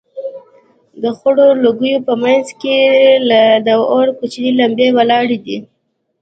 د خړو لوگيو په منځ کښې لا د اور کوچنۍ لمبې ولاړېدې.